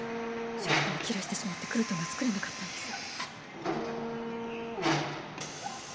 食パンを切らしてしまってクルトンが作れなかったんです。